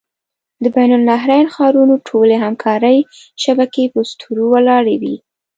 د بین النهرین ښارونو ټولې همکارۍ شبکې په اسطورو ولاړې وې.